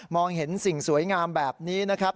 เห็นสิ่งสวยงามแบบนี้นะครับ